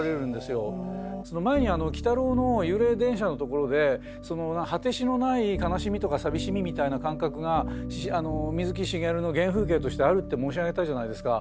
前に「鬼太郎」の幽霊電車のところで果てしのない悲しみとか寂しみみたいな感覚が水木しげるの原風景としてあるって申し上げたじゃないですか。